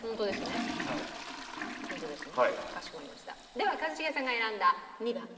では一茂さんが選んだ２番。